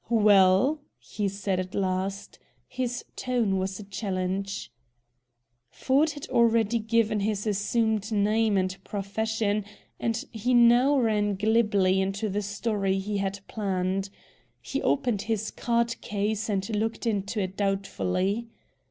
"Well?" he said, at last. His tone was a challenge. Ford had already given his assumed name and profession, and he now ran glibly into the story he had planned. He opened his card case and looked into it doubtfully.